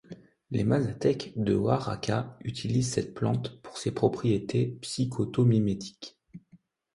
Les Mazatèques de Oaxaca utilisent cette plante pour ses propriétés psychotomimétiques.